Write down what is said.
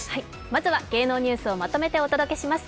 まずは芸能ニュースをまとめてお届けします